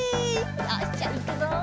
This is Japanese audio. よしじゃいくぞ！